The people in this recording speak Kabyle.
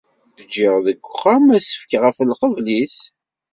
Ǧǧiɣ deg uxxam asefk ɣef lqebl-is.